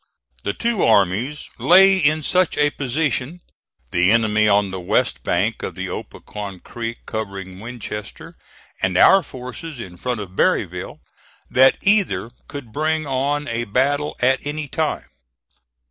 The two armies lay in such a position the enemy on the west bank of the Opequon Creek covering Winchester, and our forces in front of Berryville that either could bring on a battle at any time.